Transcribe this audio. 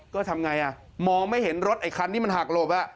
ก็ทำไงอ่ะมองไม่เห็นรถไอ้คันที่มันหักหลบ